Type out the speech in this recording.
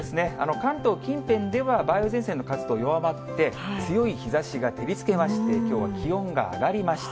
関東近辺では、梅雨前線の活動弱まって、強い日ざしが照りつけまして、きょうは気温が上がりました。